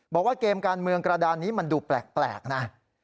บอกว่าเกมการเมืองกระดานนี้มันดูแปลกนะ